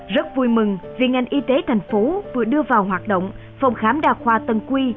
rất vui mừng vì ngành y tế thành phố vừa đưa vào hoạt động phòng khám đa khoa tân quy